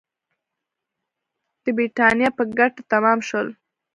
د برېټانیا په ګټه تمام شول.